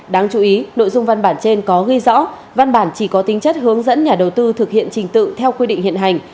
đáng chú ý nội dung văn bản trên có ghi rõ văn bản chỉ có tính chất hướng dẫn nhà đầu tư thực hiện trình tự theo quy định hiện hành